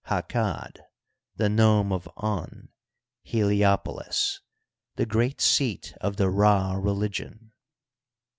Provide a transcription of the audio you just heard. Ha kad, the nome of On {Heh'opolts), the great seat of the Rd religion.